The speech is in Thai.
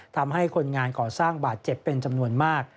ทำให้คนงานก่อสร้างบาดเจ็บเป็นจำนวนมาก